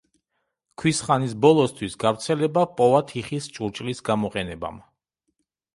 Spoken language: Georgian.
ქვის ხანის ბოლოსთვის, გავრცელება ჰპოვა თიხის ჭურჭლის გამოყენებამ.